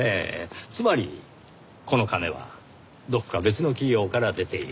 つまりこの金はどこか別の企業から出ている。